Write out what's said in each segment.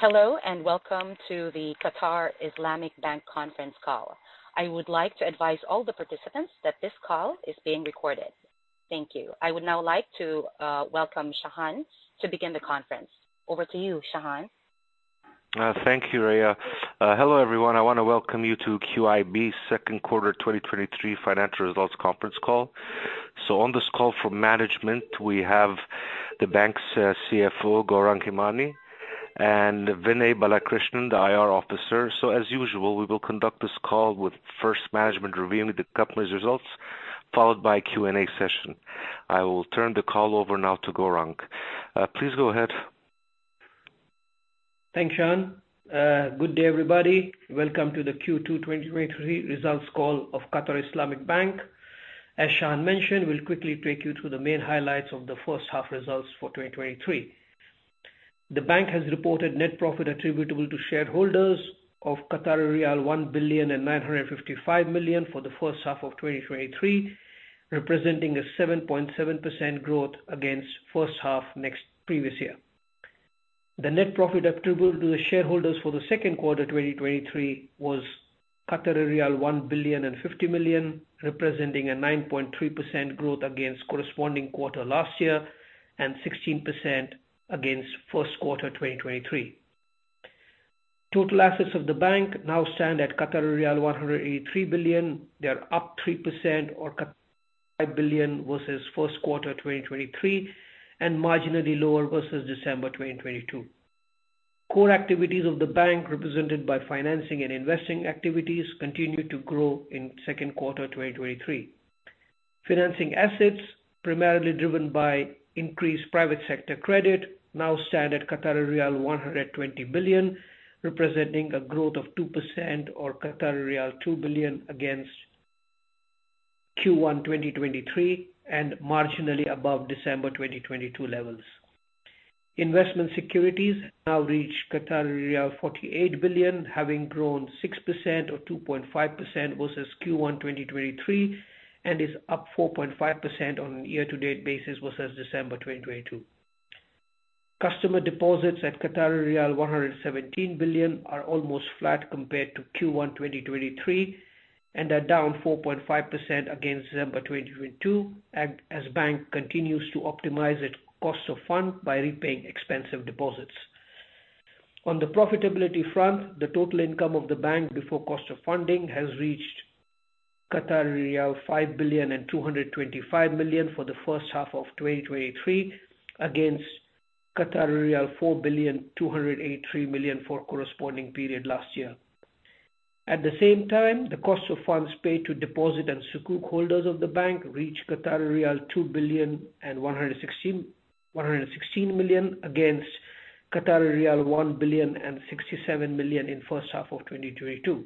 Hello, and welcome to the Qatar Islamic Bank conference call. I would like to advise all the participants that this call is being recorded. Thank you. I would now like to welcome Shahan to begin the conference. Over to you, Shahan. Thank you, Raya. Hello, everyone. I want to welcome you to QIB 2Q 2023 financial results conference call. On this call for management, we have the bank's CFO, Gourang Hemani, and Vinay Balakrishnan, the IR officer. As usual, we will conduct this call with first management reviewing the company's results, followed by a Q&A session. I will turn the call over now to Gourang. Please go ahead. Thanks, Shahan. Good day, everybody. Welcome to the Q2 2023 results call of Qatar Islamic Bank. As Shahan mentioned, we'll quickly take you through the main highlights of the first half results for 2023. The bank has reported net profit attributable to shareholders of riyal 1,955 million for the first half of 2023, representing a 7.7% growth against first half next previous year. The net profit attributable to the shareholders for the second quarter 2023 was 1.050 billion, representing a 9.3% growth against corresponding quarter last year and 16% against first quarter 2023. Total assets of the bank now stand at 183 billion. They are up 3% or billion versus first quarter 2023, and marginally lower versus December 2022. Core activities of the bank, represented by financing and investing activities, continued to grow in second quarter 2023. Financing assets, primarily driven by increased private sector credit, now stand at 120 billion, representing a growth of 2% or 2 billion against Q1 2023 and marginally above December 2022 levels. Investment securities now reach 48 billion, having grown 6% or 2.5% versus Q1 2023, and is up 4.5% on a year-to-date basis versus December 2022. Customer deposits at 117 billion are almost flat compared to Q1 2023 and are down 4.5% against December 2022, as bank continues to optimize its cost of fund by repaying expensive deposits. On the profitability front, the total income of the bank before cost of funding has reached 5.225 billion for the first half of 2023, against 4.283 billion for corresponding period last year. At the same time, the cost of funds paid to deposit and sukuk holders of the bank reached 2.116 billion, against 1.67 billion in first half of 2022.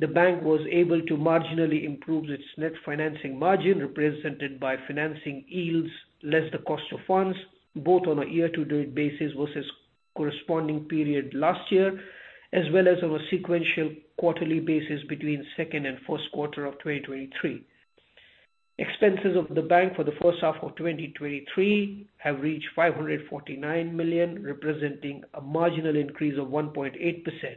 The bank was able to marginally improve its net financing margin, represented by financing yields less the cost of funds, both on a year-to-date basis versus corresponding period last year, as well as on a sequential quarterly basis between second and first quarter of 2023. Expenses of the bank for the first half of 2023 have reached 549 million, representing a marginal increase of 1.8%.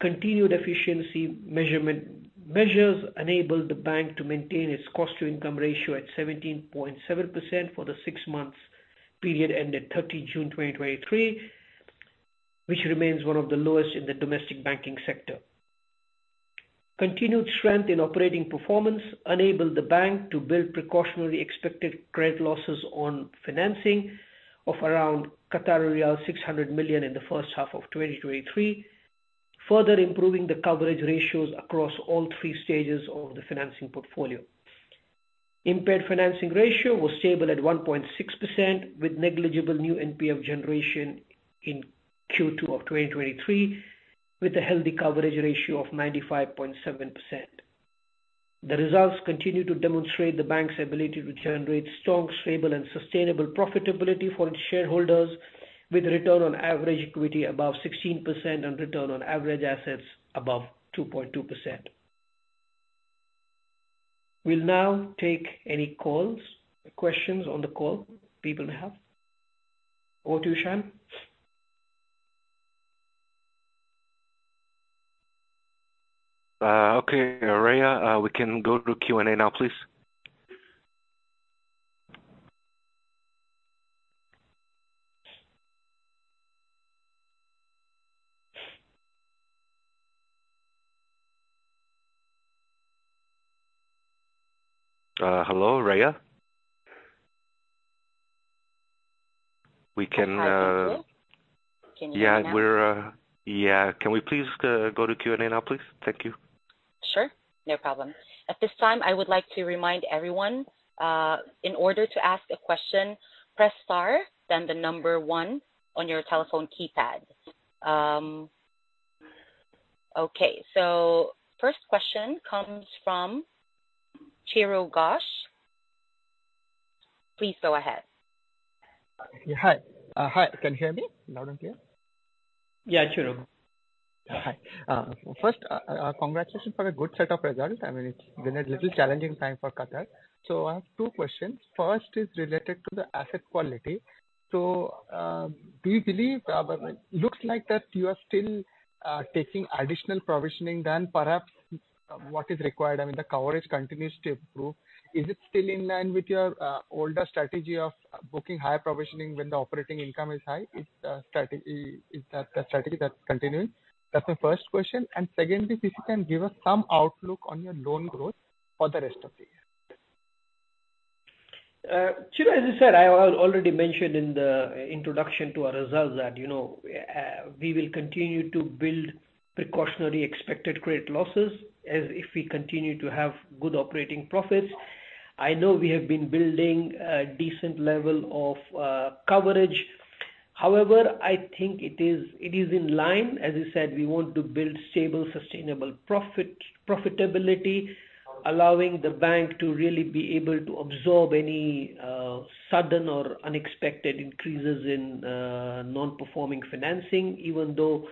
Continued efficiency measurement, measures enabled the bank to maintain its cost-to-income ratio at 17.7% for the six months period ended 30 June 2023, which remains one of the lowest in the domestic banking sector. Continued strength in operating performance enabled the bank to build precautionary expected credit losses on financing of around 600 million in the first half of 2023, further improving the coverage ratios across all three stages of the financing portfolio. Impaired financing ratio was stable at 1.6%, with negligible new NPF generation in Q2 of 2023, with a healthy coverage ratio of 95.7%. The results continue to demonstrate the bank's ability to generate strong, stable and sustainable profitability for its shareholders, with return on average equity above 16% and return on average assets above 2.2%. We'll now take any calls, questions on the call people have. Over to you, Shahan. Okay, Raya, we can go to Q&A now, please. Hello, Raya? We can. Hi, good evening. Can you hear me? Yeah, we're... Yeah, can we please go to Q&A now, please? Thank you. Sure. No problem. At this time, I would like to remind everyone, in order to ask a question, press star, then one on your telephone keypad. Okay, first question comes from Chirag Ghosh. Please go ahead. Hi. Hi, can you hear me loud and clear? Yeah, sure. Hi. First, congratulations for a good set of results. I mean, it's been a little challenging time for Qatar. I have two questions. First is related to the asset quality. Do you believe, looks like that you are still taking additional provisioning than perhaps what is required? I mean, the coverage continues to improve. Is it still in line with your older strategy of booking higher provisioning when the operating income is high? Is that the strategy that's continuing? That's my first question. Secondly, if you can give us some outlook on your loan growth for the rest of the year. Chirag, as I said, I already mentioned in the introduction to our results that, you know, we will continue to build precautionary expected credit losses as if we continue to have good operating profits. I know we have been building a decent level of coverage. However, I think it is, it is in line. As I said, we want to build stable, sustainable profitability, allowing the bank to really be able to absorb any sudden or unexpected increases in non-performing financing, even though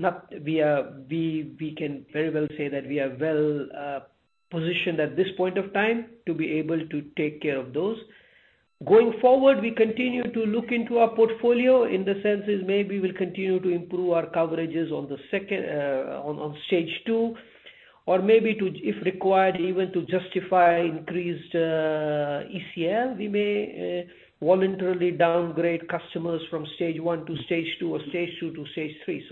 we can very well say that we are well positioned at this point of time to be able to take care of those. Going forward, we continue to look into our portfolio in the sense that maybe we'll continue to improve our coverages on the second, on stage 2, or maybe to, if required, even to justify increased ECL. We may voluntarily downgrade customers from stage 1 to stage 2 or stage 2 to stage 3.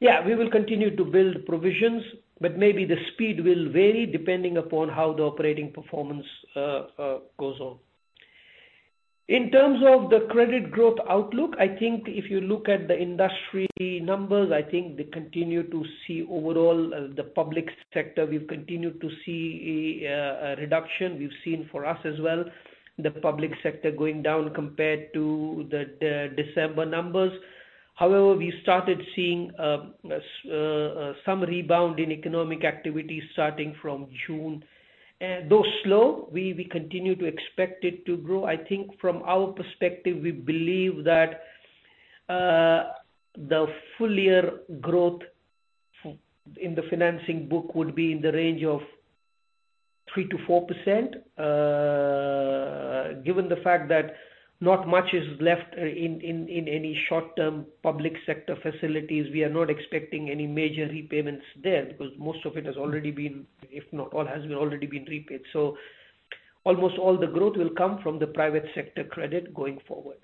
Yeah, we will continue to build provisions, but maybe the speed will vary depending upon how the operating performance goes on. In terms of the credit growth outlook, I think if you look at the industry numbers, I think they continue to see overall, the public sector, we've continued to see a reduction. We've seen for us as well, the public sector going down compared to the December numbers. However, we started seeing some rebound in economic activity starting from June. Though slow, we continue to expect it to grow. I think from our perspective, we believe that the full year growth in the financing book would be in the range of 3%-4%. Given the fact that not much is left in any short term public sector facilities, we are not expecting any major repayments there, because most of it has already been, if not all, has already been repaid. Almost all the growth will come from the private sector credit going forward.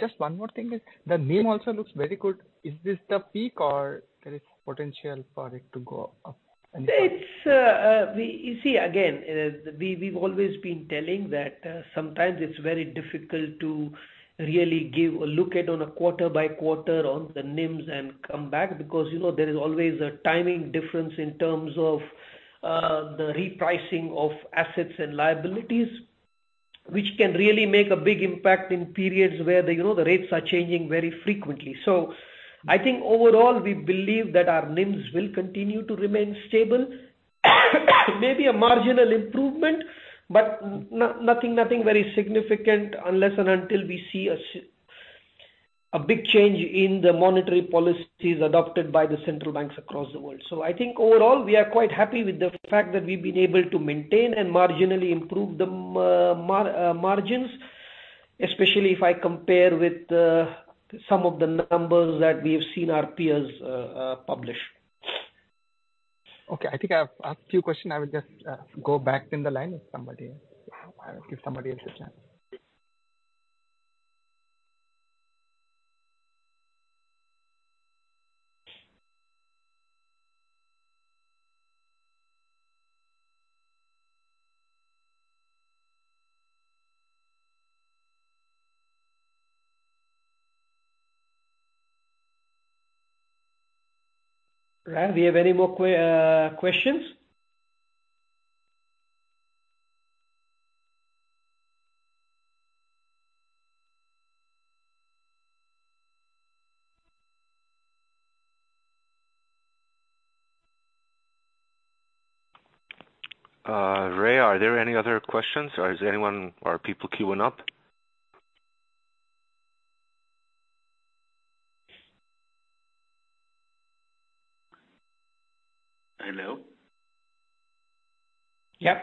Just one more thing is the NIM also looks very good. Is this the peak or there is potential for it to go up? It's, you see, again, we've always been telling that, sometimes it's very difficult to really give a look at on a quarter by quarter on the NIMs and come back, because, you know, there is always a timing difference in terms of the repricing of assets and liabilities, which can really make a big impact in periods where the, you know, the rates are changing very frequently. I think overall, we believe that our NIMs will continue to remain stable, maybe a marginal improvement, but nothing very significant unless and until we see a big change in the monetary policies adopted by the central banks across the world. I think overall, we are quite happy with the fact that we've been able to maintain and marginally improve the margins, especially if I compare with some of the numbers that we have seen our peers publish. Okay, I think I have asked few questions. I will just go back in the line. I'll give somebody else a chance. Ray, do you have any more questions? Ray, are there any other questions, or is anyone or are people queuing up? Hello? Yeah.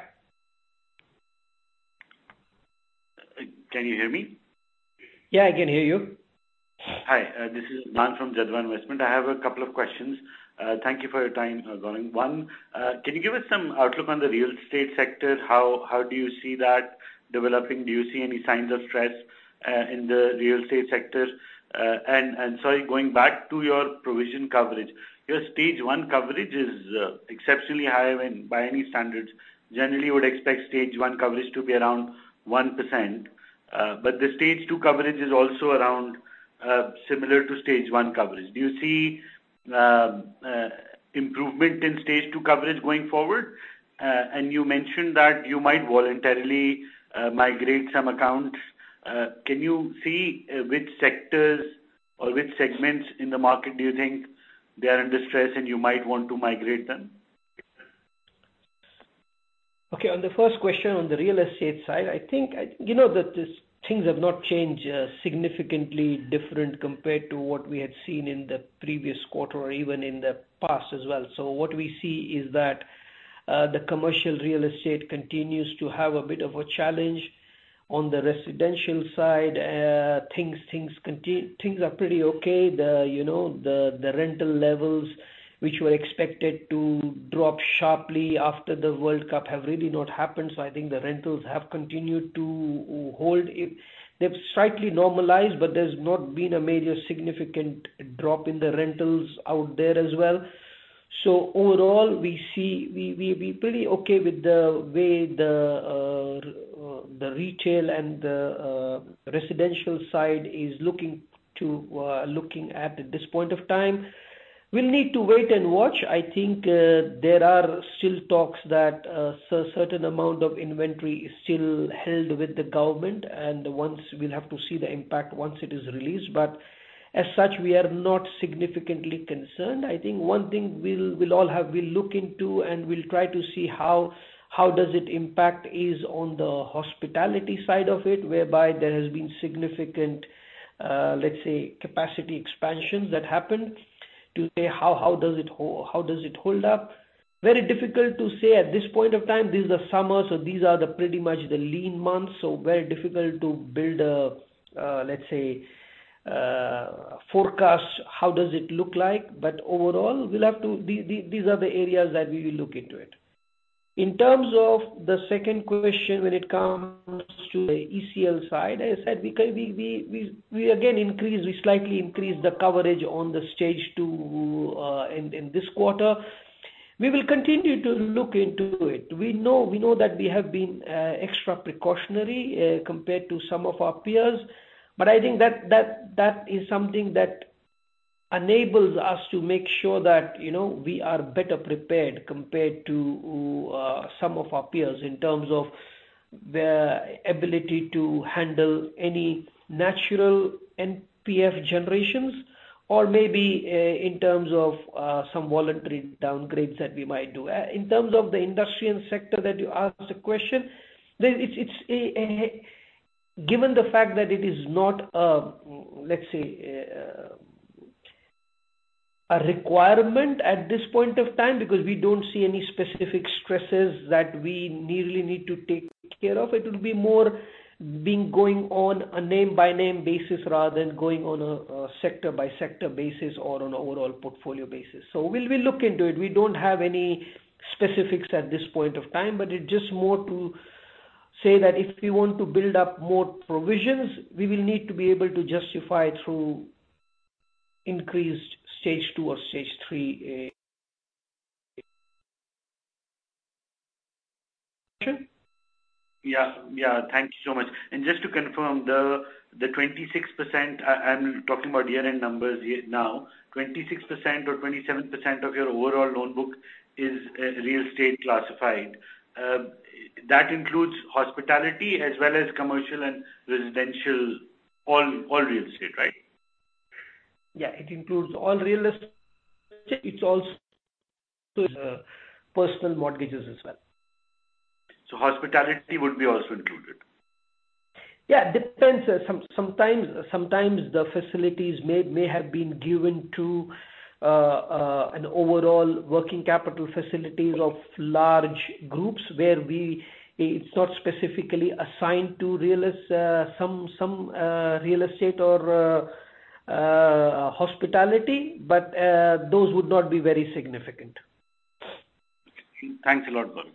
Can you hear me? Yeah, I can hear you. Hi, this is Dan from Jadwa Investment. I have a couple of questions. Thank you for your time, Gourang. One, can you give us some outlook on the real estate sector? How do you see that developing? Do you see any signs of stress in the real estate sector? Sorry, going back to your provision coverage, your stage 1 coverage is exceptionally high when by any standards, generally you would expect stage 1 coverage to be around 1%, but the stage 2 coverage is also around similar to stage 1 coverage. Do you see improvement in stage 2 coverage going forward? You mentioned that you might voluntarily migrate some accounts. Can you see which sectors or which segments in the market do you think they are in distress and you might want to migrate them? Okay, on the first question, on the real estate side, I think, I, you know, that this things have not changed significantly different compared to what we had seen in the previous quarter or even in the past as well. What we see is that the commercial real estate continues to have a bit of a challenge. On the residential side, things are pretty okay. The, you know, the rental levels, which were expected to drop sharply after the World Cup, have really not happened, so I think the rentals have continued to hold it. They've slightly normalized, there's not been a major significant drop in the rentals out there as well. Overall, we're pretty okay with the way the retail and the residential side is looking at this point of time. We'll need to wait and watch. I think there are still talks that certain amount of inventory is still held with the government, and once we'll have to see the impact once it is released, but as such, we are not significantly concerned. I think one thing we'll look into and we'll try to see how does it impact is on the hospitality side of it, whereby there has been significant, let's say, capacity expansions that happened, to say, how does it hold up? Very difficult to say at this point of time. This is the summer. These are the pretty much the lean months. Very difficult to build a, let's say, forecast, how does it look like. Overall, we'll have to. These are the areas that we will look into it. In terms of the second question when it comes to the ECL side, I said we again increase, we slightly increase the coverage on the stage 2, in this quarter. We will continue to look into it. We know that we have been extra precautionary compared to some of our peers, but I think that is something that enables us to make sure that, you know, we are better prepared compared to some of our peers in terms of the ability to handle any natural NPF generations or maybe in terms of some voluntary downgrades that we might do. In terms of the industry and sector that you asked the question, it's a Given the fact that it is not a, let's say, a requirement at this point of time, because we don't see any specific stresses that we nearly need to take care of, it will be more being going on a name-by-name basis rather than going on a sector-by-sector basis or an overall portfolio basis. We will look into it. We don't have any specifics at this point of time, but it's just more to say that if we want to build up more provisions, we will need to be able to justify through increased stage 2 or stage 3. Yeah, thank you so much. Just to confirm, the 26%, I'm talking about year-end numbers here now, 26% or 27% of your overall loan book is real estate classified. That includes hospitality as well as commercial and residential, all real estate, right? Yeah, it includes all real estate. It's also, personal mortgages as well. Hospitality would be also included? Yeah, depends. Sometimes the facilities may have been given to an overall working capital facilities of large groups where it's not specifically assigned to real estate or hospitality, but those would not be very significant. Thanks a lot, Gaurang. Yeah.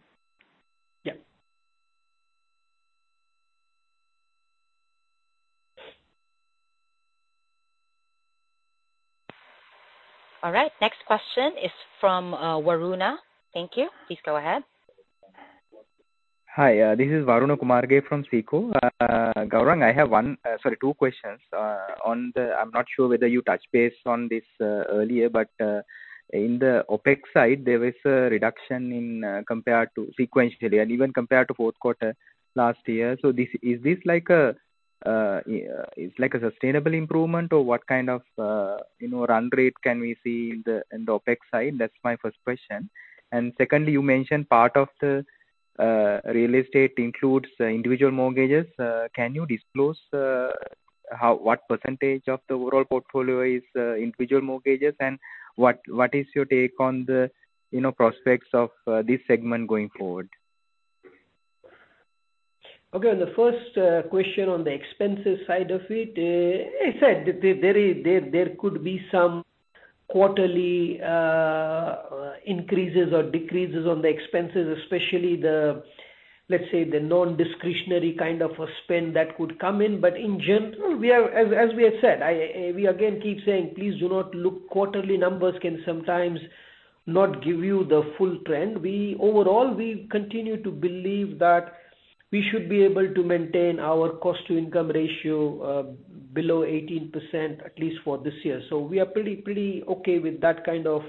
All right. Next question is from, Varuna. Thank you. Please go ahead. Hi, this is Varuna Kumarge from SICO. Gaurang, I have one, sorry, two questions. On the... I'm not sure whether you touched base on this earlier, but in the OpEx side, there was a reduction in compared to sequentially and even compared to fourth quarter last year. This, is this like a it's like a sustainable improvement or what kind of, you know, run rate can we see in the OpEx side? That's my first question. Secondly, you mentioned part of the real estate includes individual mortgages. Can you disclose how, what % of the overall portfolio is individual mortgages, and what is your take on the, you know, prospects of this segment going forward? Okay, on the first question on the expenses side of it, as I said, there could be some quarterly increases or decreases on the expenses, especially the, let's say, the non-discretionary kind of a spend that could come in. But in general, we are, as we have said, I, we again keep saying, please do not look quarterly numbers can sometimes not give you the full trend. Overall, we continue to believe that we should be able to maintain our cost-to-income ratio below 18%, at least for this year. So we are pretty okay with that kind of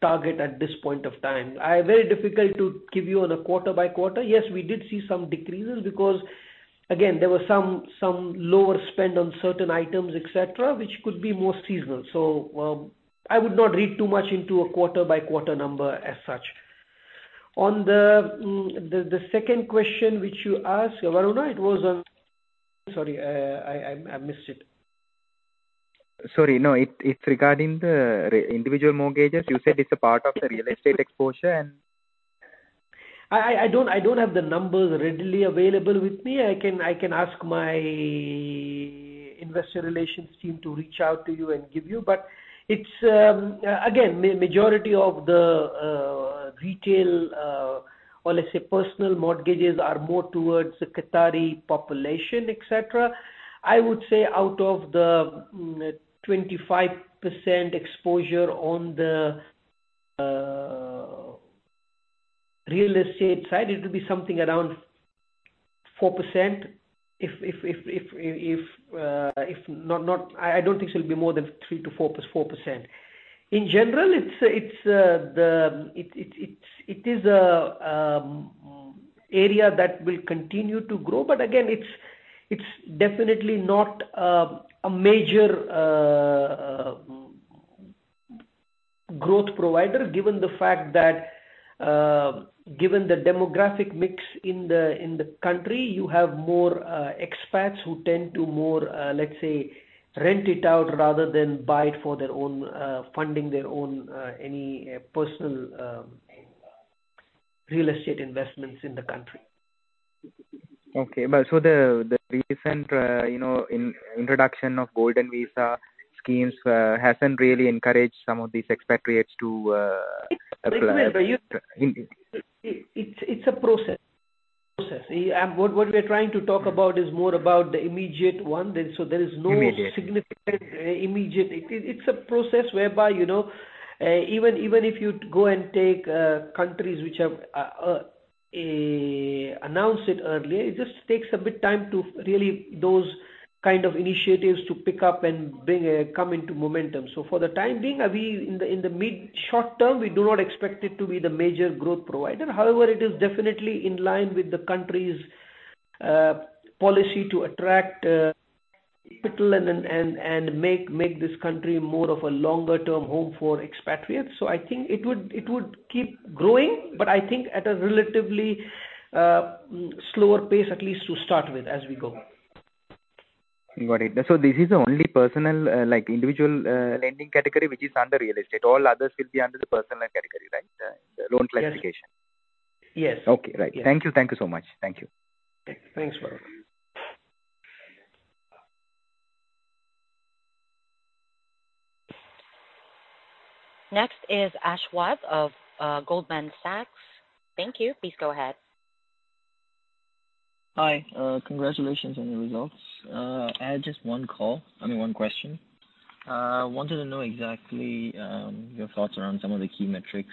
target at this point of time. I. Very difficult to give you on a quarter by quarter. Yes, we did see some decreases because. There were some lower spend on certain items, et cetera, which could be more seasonal. I would not read too much into a quarter by quarter number as such. On the the second question which you asked, Varuna, it was on sorry, I missed it. Sorry, no, it's regarding the individual mortgages. You said it's a part of the real estate exposure and? I don't have the numbers readily available with me. I can ask my investor relations team to reach out to you and give you. It's again, majority of the retail or let's say personal mortgages are more towards the Qatari population, et cetera. I would say out of the 25% exposure on the real estate side, it will be something around 4% if not. I don't think it will be more than 3%-4%. In general, it is a area that will continue to grow. Again, it's definitely not a major growth provider, given the fact that, given the demographic mix in the country, you have more expats who tend to more, let's say, rent it out rather than buy it for their own, funding their own, any personal real estate investments in the country. Okay. The, the recent, you know, introduction of Golden Visa schemes, hasn't really encouraged some of these expatriates to, apply? It's a process. What we're trying to talk about is more about the immediate one, then so there is. Immediate. significant, immediate. It's a process whereby, you know, even if you go and take countries which have announced it earlier, it just takes a bit time to really those kind of initiatives to pick up and come into momentum. For the time being, we in the, in the mid short term, we do not expect it to be the major growth provider. However, it is definitely in line with the country's policy to attract people and then make this country more of a longer term home for expatriates. I think it would keep growing, but I think at a relatively slower pace, at least to start with as we go. Got it. This is the only personal, like, individual, lending category which is under real estate. All others will be under the personal category, right? The loan classification. Yes. Okay, right. Thank you. Thank you so much. Thank you. Thanks, Varuna. Next is Ashwath of Goldman Sachs. Thank you. Please go ahead. Hi, congratulations on your results. I had just one call, I mean, one question. Wanted to know exactly, your thoughts around some of the key metrics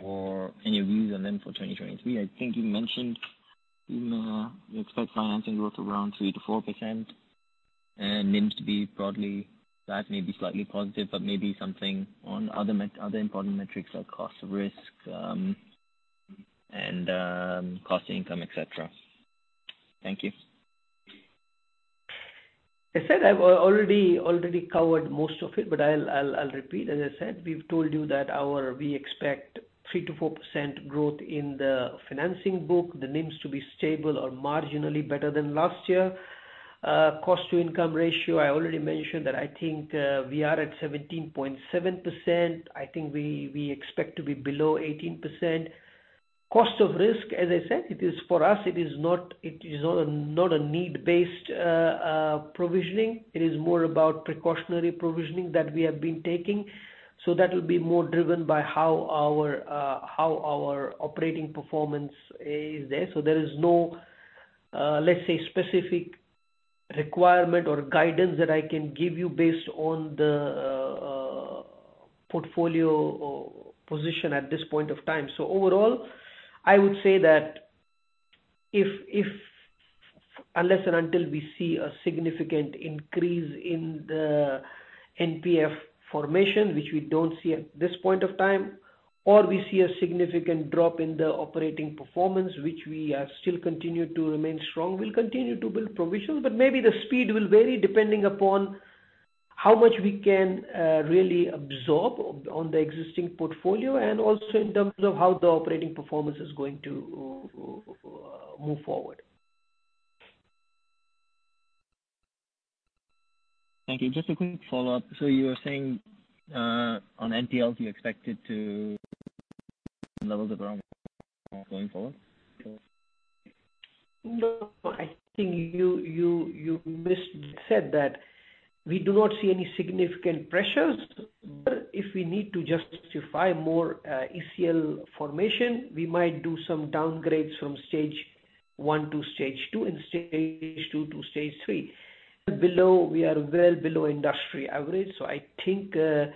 for any views and then for 2023. I think you mentioned, you expect financing growth around 3%-4%, and NIMs to be broadly, that may be slightly positive, but maybe something on other important metrics like cost of risk, and cost to income, et cetera. Thank you. I said I've already covered most of it, but I'll, I'll repeat. As I said, we've told you that we expect 3%-4% growth in the financing book, the NIMs to be stable or marginally better than last year. Cost-to-income ratio, I already mentioned that I think, we are at 17.7%. I think we expect to be below 18%. Cost of risk, as I said, it is for us, it is not, it is not a, not a need-based provisioning. It is more about precautionary provisioning that we have been taking. That will be more driven by how our, how our operating performance is there. There is no, let's say, specific requirement or guidance that I can give you based on the portfolio or position at this point of time. Overall, I would say that if unless and until we see a significant increase in the NPF formation, which we don't see at this point of time, or we see a significant drop in the operating performance, which we are still continued to remain strong, we'll continue to build provisions. Maybe the speed will vary depending upon how much we can really absorb on the existing portfolio, and also in terms of how the operating performance is going to move forward. Thank you. Just a quick follow-up. You were saying, on NPLs, you expect it to level the ground going forward? I think you missed. I said that we do not see any significant pressures, but if we need to justify more ECL formation, we might do some downgrades from stage 1 to stage 2 and stage 2 to stage 3. Below, we are well below industry average, I think we're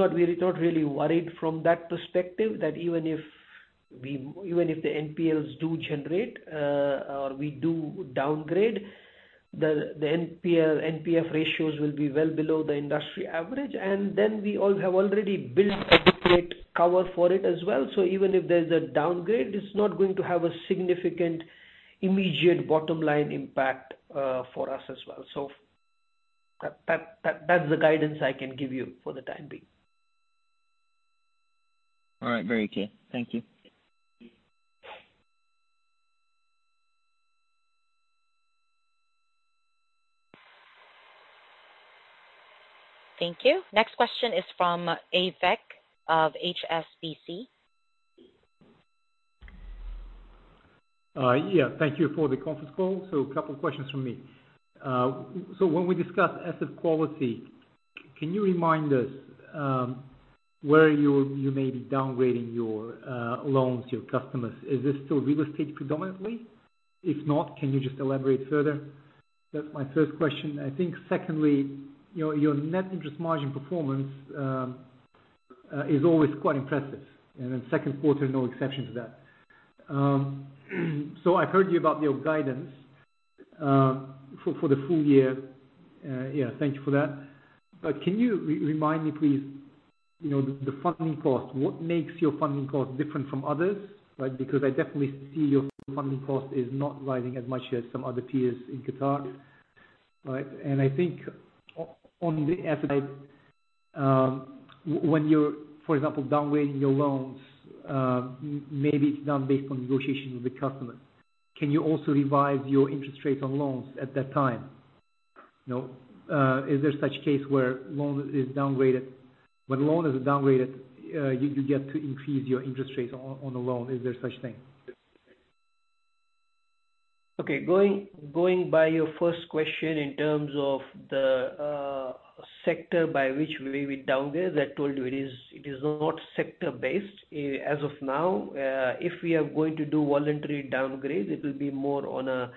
not really worried from that perspective, that even if the NPLs do generate, the NPL, NPF ratios will be well below the industry average, we all have already built an appropriate cover for it as well. Even if there's a downgrade, it's not going to have a significant immediate bottom line impact for us as well. That's the guidance I can give you for the time being. All right. Very clear. Thank you. Thank you. Next question is from Aybek of HSBC. Yeah, thank you for the conference call. A couple of questions from me. When we discuss asset quality, can you remind us where you may be downgrading your loans to your customers? Is this still real estate predominantly? If not, can you just elaborate further? That's my first question. Secondly, your Net Interest Margin performance is always quite impressive, and second quarter, no exception to that. I've heard you about your guidance for the full year. Yeah, thank you for that. Can you remind me, please, you know, the funding cost, what makes your funding cost different from others, right? Because I definitely see your funding cost is not rising as much as some other peers in Qatar, right? I think on the asset side, when you're, for example, downgrading your loans, maybe it's done based on negotiation with the customer. Can you also revise your interest rates on loans at that time? You know, is there such case where when loan is downgraded, you get to increase your interest rates on the loan? Is there such thing? Okay, going by your first question in terms of the sector by which we downgrade, I told you it is not sector-based as of now. If we are going to do voluntary downgrade, it will be more on a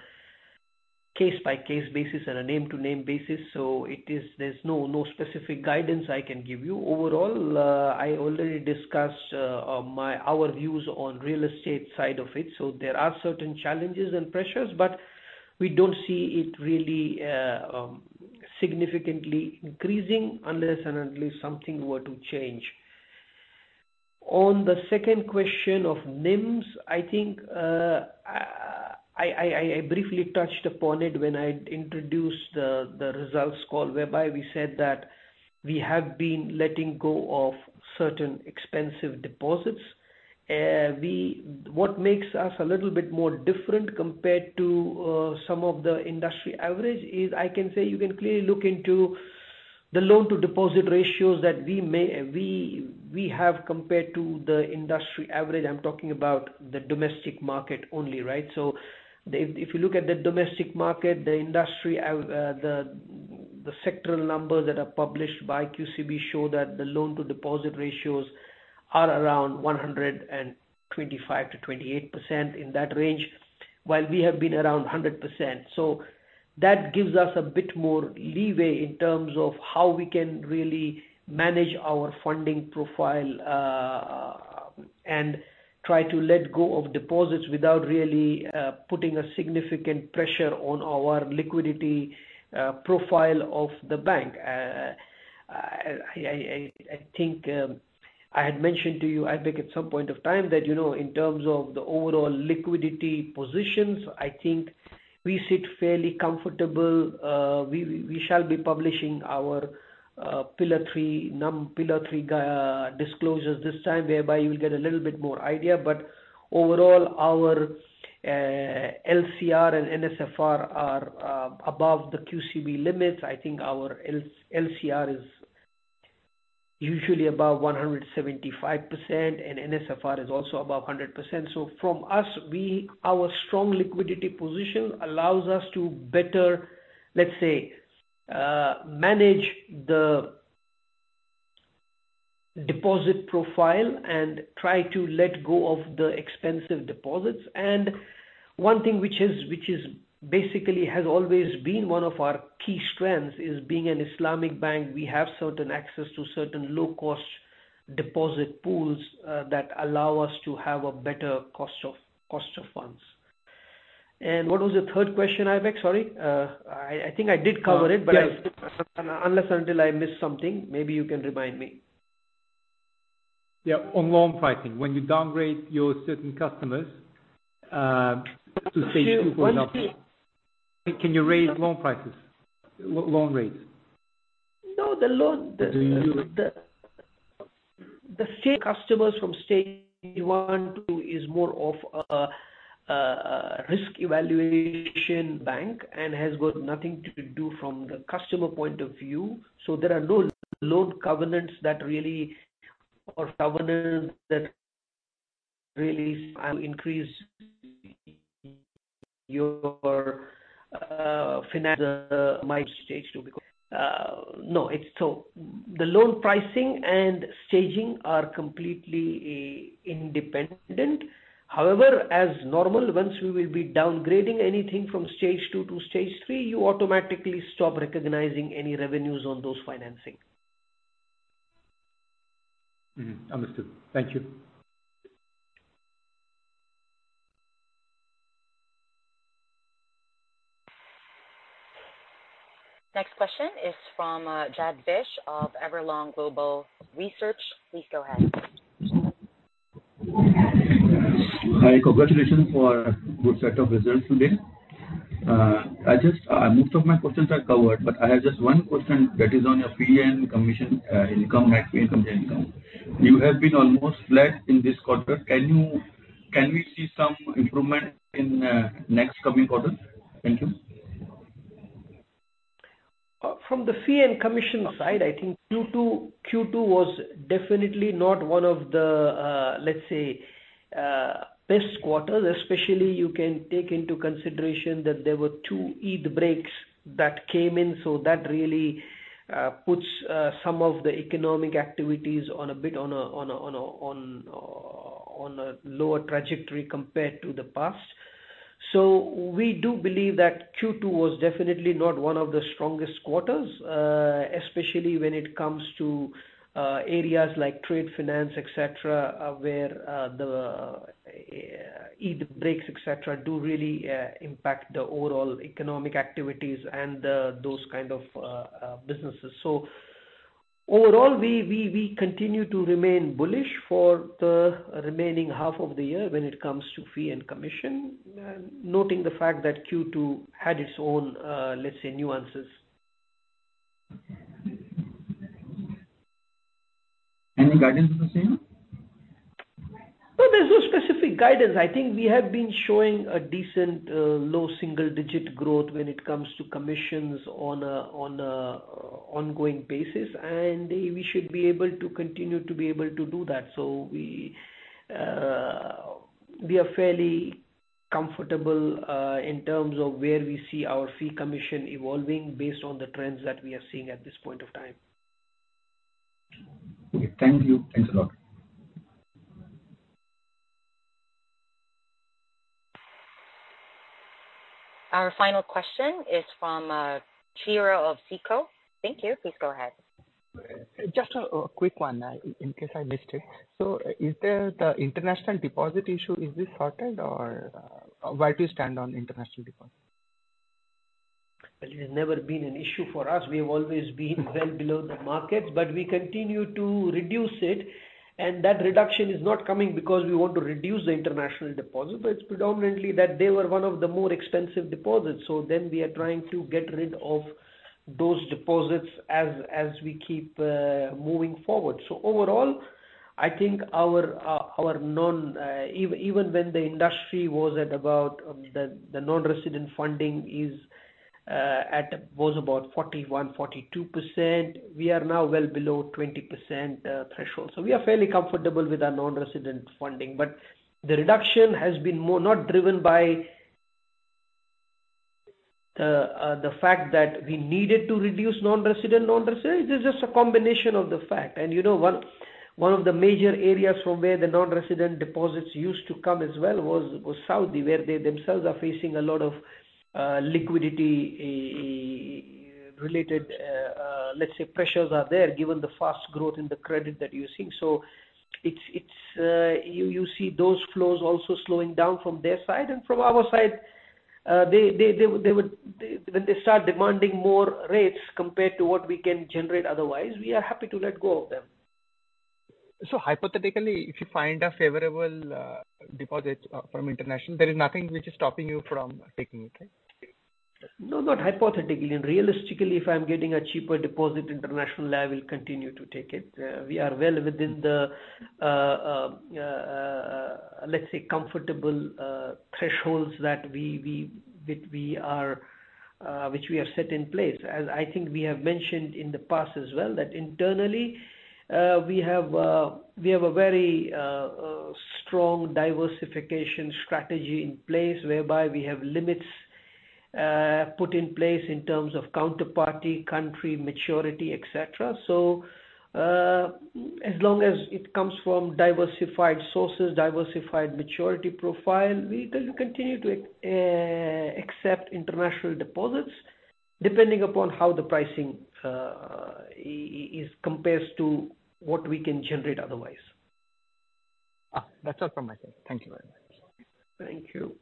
case-by-case basis and a name-to-name basis. There's no specific guidance I can give you. Overall, I already discussed our views on real estate side of it, there are certain challenges and pressures, but we don't see it really significantly increasing unless and until something were to change. On the second question of NIMs, I think I briefly touched upon it when I introduced the results call, whereby we said that we have been letting go of certain expensive deposits. We... What makes us a little bit more different compared to some of the industry average is, I can say you can clearly look into the loan-to-deposit ratios that we have compared to the industry average. I'm talking about the domestic market only, right? If you look at the domestic market, the sectoral numbers that are published by QCB show that the loan-to-deposit ratios are around 125%-128%, in that range, while we have been around 100%. That gives us a bit more leeway in terms of how we can really manage our funding profile and try to let go of deposits without really putting a significant pressure on our liquidity profile of the bank. I think, I had mentioned to you, I think at some point of time, that, you know, in terms of the overall liquidity positions, I think we sit fairly comfortable. We shall be publishing our Pillar 3, Num Pillar 3, disclosures this time, whereby you will get a little bit more idea. Overall, our LCR and NSFR are above the QCB limits. I think our LCR is usually above 175%, and NSFR is also above 100%. From us, our strong liquidity position allows us to better, let's say, manage the deposit profile and try to let go of the expensive deposits. One thing which is basically has always been one of our key strengths, is being an Islamic bank, we have certain access to certain low-cost deposit pools that allow us to have a better cost of funds. What was the third question, Aybek? Sorry, I think I did cover it. Yes. I, unless, until I missed something, maybe you can remind me? Yeah, on loan pricing. When you downgrade your certain customers, to stage 2, for example, can you raise loan prices, loan rates? No, the loan. Do you? The same customers from stage 1 to is more of a risk evaluation bank and has got nothing to do from the customer point of view. There are no loan covenants that really, or covenants that really increase your finance stage to be. The loan pricing and staging are completely independent. However, as normal, once we will be downgrading anything from stage 2 to stage 3, you automatically stop recognizing any revenues on those financing. Mm-hmm, understood. Thank you. Next question is from Jad Vish of Everlong Global Research. Please go ahead. Hi, congratulations for good set of results today. I just, most of my questions are covered, but I have just one question that is on your fee and commission income and fee income. You have been almost flat in this quarter. Can we see some improvement in next coming quarter? Thank you. From the fee and commission side, I think Q2 was definitely not one of the best quarters. Especially you can take into consideration that there were two Eid breaks that came in, so that really puts some of the economic activities on a bit on a lower trajectory compared to the past. So we do believe that Q2 was definitely not one of the strongest quarters, especially when it comes to areas like trade finance, et cetera, where the Eid breaks, et cetera, do really impact the overall economic activities and those kind of businesses. Overall, we continue to remain bullish for the remaining half of the year when it comes to fee and commission, noting the fact that Q2 had its own, let's say, nuances. Any guidance the same? No, there's no specific guidance. I think we have been showing a decent low single digit growth when it comes to commissions on an ongoing basis, we should be able to continue to be able to do that. We are fairly comfortable in terms of where we see our fee commission evolving based on the trends that we are seeing at this point of time. Okay. Thank you. Thanks a lot. Our final question is from, Chira of SICO. Thank you. Please go ahead. Just a quick one, in case I missed it. Is there the international deposit issue, is this sorted, or, where do you stand on international deposit? It has never been an issue for us. We have always been well below the market, but we continue to reduce it, and that reduction is not coming because we want to reduce the international deposit, but it's predominantly that they were one of the more expensive deposits. We are trying to get rid of those deposits as we keep moving forward. Overall, I think our non, even when the industry was at about the non resident funding was about 41%-42%, we are now well below 20% threshold. We are fairly comfortable with our non resident funding. The reduction has been more not driven by the fact that we needed to reduce non resident. It is just a combination of the fact. You know, one of the major areas from where the non-resident deposits used to come as well, was Saudi, where they themselves are facing a lot of liquidity related let's say, pressures are there, given the fast growth in the credit that you're seeing. It's, you see those flows also slowing down from their side. From our side, they would when they start demanding more rates compared to what we can generate, otherwise, we are happy to let go of them. Hypothetically, if you find a favorable deposit from international, there is nothing which is stopping you from taking it, right? No, not hypothetically. Realistically, if I'm getting a cheaper deposit internationally, I will continue to take it. We are well within the let's say, comfortable thresholds which we have set in place. As I think we have mentioned in the past as well, that internally, we have a very strong diversification strategy in place, whereby we have limits put in place in terms of counterparty, country, maturity, et cetera. As long as it comes from diversified sources, diversified maturity profile, we will continue to accept international deposits, depending upon how the pricing is compares to what we can generate otherwise. That's all from my side. Thank you very much. Thank you.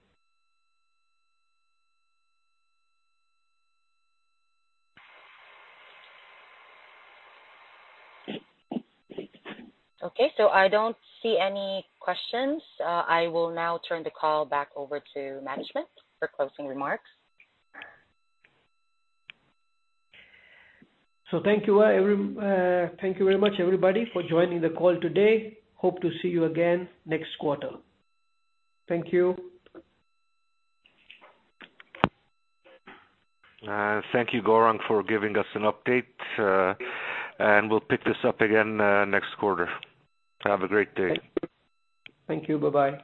Okay. I don't see any questions. I will now turn the call back over to management for closing remarks. Thank you very much, everybody, for joining the call today. Hope to see you again next quarter. Thank you. Thank you, Gaurang, for giving us an update, and we'll pick this up again next quarter. Have a great day. Thank you. Bye-bye.